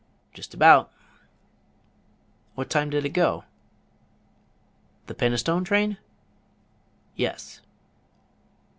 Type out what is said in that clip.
"Just about." "What time did it go?" "The Penistone train?" "Yes."